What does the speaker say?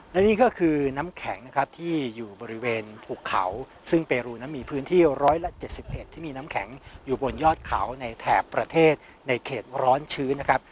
และนี่ก็คือน้ำแข็งนะครับที่อยู่บริเวณภูเขาซึ่งเปรูนั้นมีพื้นที่๑๗๑ที่มีน้ำแข็งอยู่บนยอดเขาในแถบประเทศในเขตร้อนชื้นนะครับ